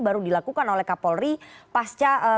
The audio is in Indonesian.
baru dilakukan oleh kapolri pasca